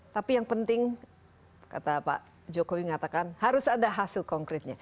tapi yang penting kata pak jokowi mengatakan harus ada hasil konkretnya